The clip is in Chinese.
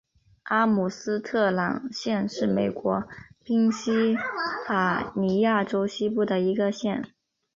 阿姆斯特朗县是美国宾夕法尼亚州西部的一个县。